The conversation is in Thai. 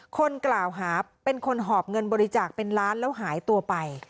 คนกล่าวหาเป็นคนหอบเงินบริจาคเป็นล้านแล้วหายตัวไป